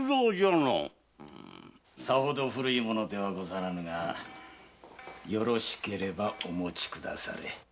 さほど古い物ではござらんがよろしければお持ちくだされ。